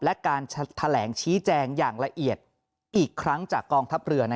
และการแถลงชี้แจงอย่างละเอียดอีกครั้งจากกองทัพเรือ